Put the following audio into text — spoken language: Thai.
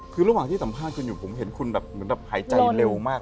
คือระหว่างที่สัมภาษณ์คุณอยู่ผมเห็นคุณแบบเหมือนแบบหายใจเร็วมาก